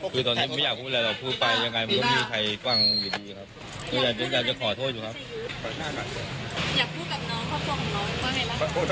ผมพูดได้แค่นี้ครับ